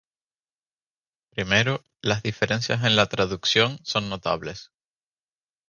Primero, las diferencias en la traducción son notables.